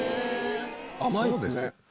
甘いですね。